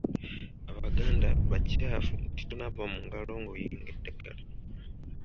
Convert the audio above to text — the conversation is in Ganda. Abaganda bakyafu nti tonaaba mu ngalo ng’oyenga eddagala.